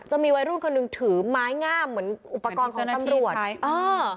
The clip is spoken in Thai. จะมีวัยรุ่นคนหนึ่งถือไม้งามเหมือนอุปกรณ์ของตำรวจใช่เออ